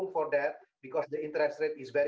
karena harga keuntungan itu sangat rendah